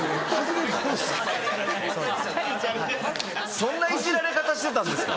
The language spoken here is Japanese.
そんなイジられ方してたんですか？